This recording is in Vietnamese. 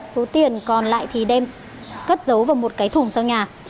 số tiền còn lại thì đem cất giấu vào một cái thùng sau nhà